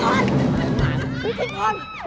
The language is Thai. พี่ทิศพลอด